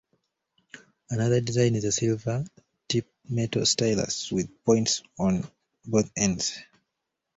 Another design is a silver-tipped metal stylus with points on both ends.